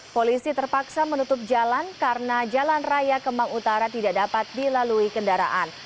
polisi terpaksa menutup jalan karena jalan raya kemang utara tidak dapat dilalui kendaraan